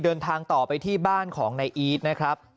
เดินทางต่อไปที่บ้านของนายอีทนะครับ